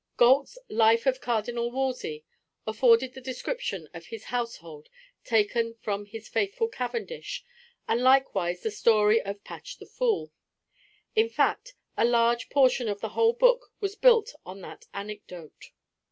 Galt's Life of Cardinal Wolsey afforded the description of his household taken from his faithful Cavendish, and likewise the story of Patch the Fool. In fact, a large portion of the whole book was built on that anecdote.